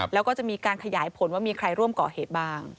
แล้วก็จะมีการขยายผลว่ามีใครร่วมก่อเหตุบ้าง